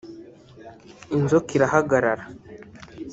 ” Inzoka irahagarara